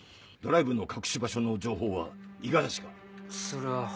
ドライブの隠し場所の情報は五十嵐が。